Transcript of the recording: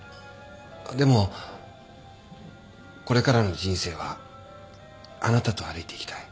でもこれからの人生はあなたと歩いていきたい。